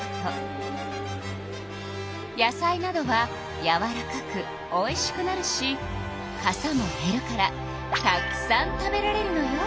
野菜などはやわらかくおいしくなるしかさもへるからたくさん食べられるのよ。